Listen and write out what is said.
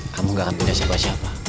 kamu gak akan punya siapa siapa